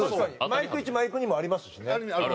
マイク１マイク２もありますしね。